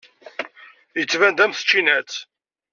Yettban-d am tčinat.